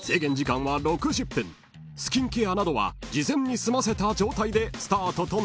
［スキンケアなどは事前に済ませた状態でスタートとなる］